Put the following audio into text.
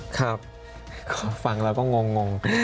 ครับฟังแล้วก็งง